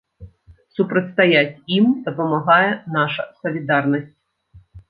Супрацьстаяць ім дапамагае наша салідарнасць.